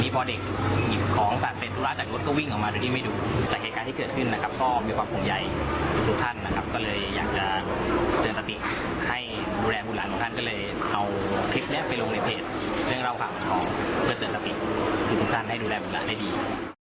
เพื่อเตรียมลักษณ์สิ่งที่สามารถให้ดูแลผู้หลักได้ดี